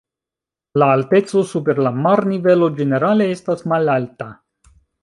La alteco super la marnivelo ĝenerale estas malalta.